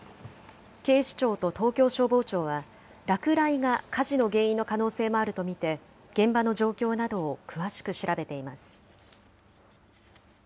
警視庁と東京消防庁は、落雷が火事の原因の可能性もあると見て、現場の状況などを詳しく調べています。